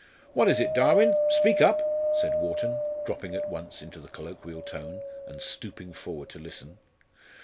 "What is it, Darwin? speak up!" said Wharton, dropping at once into the colloquial tone, and stooping forward to listen.